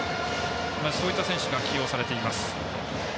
そういった選手が起用されています。